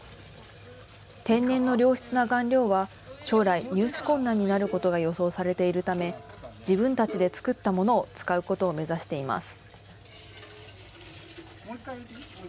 天然の良質な顔料は、将来、入手困難になることが予想されているため、自分たちで作ったものを使うことを目指しています。